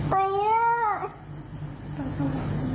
ให้สวรรค์